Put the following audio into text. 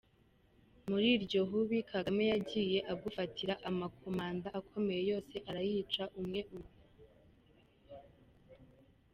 Muri iryo hubi, Kagame yagiye agufatira amacommanda akomeye yose arayica, umwe umwe.